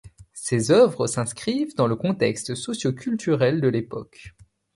Ses œuvres s'inscrivent dans le contexte socio-culturel de l'époque.